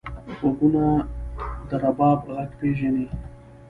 غوږونه د رباب غږ پېژني